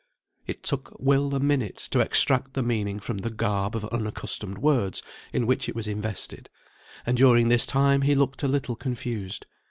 It took Will a minute to extract the meaning from the garb of unaccustomed words in which it was invested, and during this time he looked a little confused.